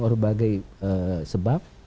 ada banyak sebab